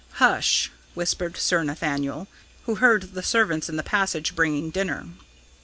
"Hush!" whispered Sir Nathaniel, who heard the servants in the passage bringing dinner.